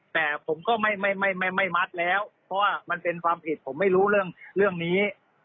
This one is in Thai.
แต่ผมก็ไม่มัดแล้วเพราะว่ามันเป็นความผิดผมไม่รู้เรื่องนี้